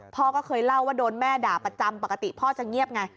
พ่อก็เคยเล่าว่าโดนแม่ด่าประจำปกติพ่อจะเงียบไง